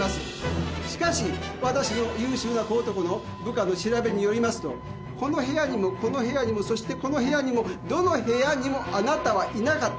しかしわたしの優秀な小男の部下の調べによりますとこの部屋にもこの部屋にもそしてこの部屋にもどの部屋にもあなたはいなかった。